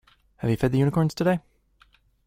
Have you fed the unicorns today?